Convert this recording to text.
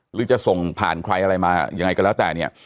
หรือจะส่งผ่านใครอะไรมายังไงก็แล้วแต่เนี่ย